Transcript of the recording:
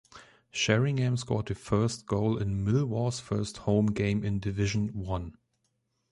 Sheringham scored the first goal in Millwall's first home game in Division One.